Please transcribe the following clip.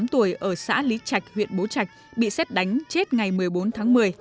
bốn mươi tuổi ở xã lý trạch huyện bố trạch bị xét đánh chết ngày một mươi bốn tháng một mươi